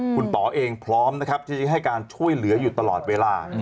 คุณป๋อเองพร้อมนะครับที่จะให้การช่วยเหลืออยู่ตลอดเวลา